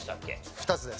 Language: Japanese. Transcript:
２つです。